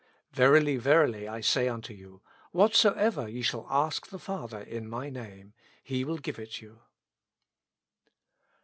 Verily, verily I say unto you, Whatsoever ye shall ask the Father in my Name, He will give it you."